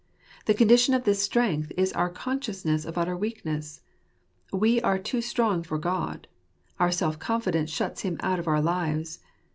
The condition of this strength is our consciousness of utter weakness. We are too strong for God. Our self confidence shuts Him out of our lives.